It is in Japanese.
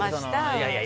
いやいや